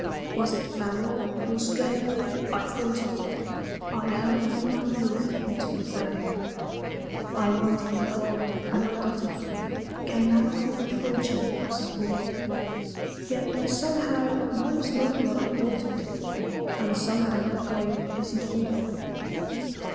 Was it famine or scurvy I fought it; I hurled my youth into a grave. I wanted the gold, and I got it Came out with a fortune last fall, Yet somehow life's not what I thought it, And somehow the gold isn't all.